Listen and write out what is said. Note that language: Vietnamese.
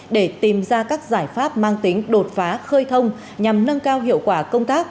để tìm ra các giải pháp mang tính đột phá khơi thông nhằm nâng cao hiệu quả công tác